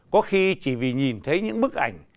có khi chỉ vì nhìn thấy những bức ảnh